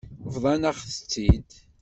Bḍant-aɣ-tt-id.